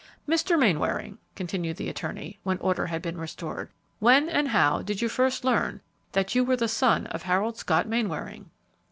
"Mr. Mainwaring," continued the attorney, when order had been restored, "when and how did you first learn that you were the son of Harold Scott Mainwaring?"